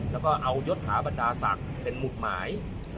แล้วก็เอายศถาบรรดาศักดิ์เป็นหมุดหมาย